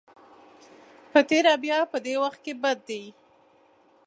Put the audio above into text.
په تېره بیا په دې وخت کې بد دی.